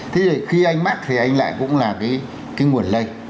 thế thì khi anh mắc thì anh lại cũng là cái nguồn lây